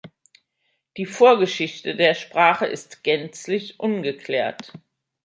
Die Vorgeschichte der Sprache ist gänzlich ungeklärt.